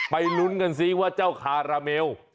ลุ้นกันซิว่าเจ้าคาราเมล